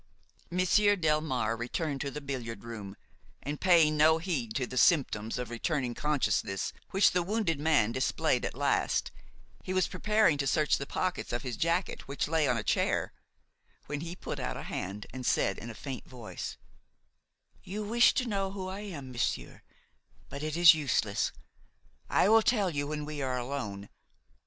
Monsieur Delmare returned to the billiard room and, paying no heed to the symptoms of returning consciousness which the wounded man displayed at last, he was preparing to search the pockets of his jacket which lay on a chair, when he put out his hand and said in a faint voice: "You wish to know who I am, monsieur, but it is useless. I will tell you when we are alone.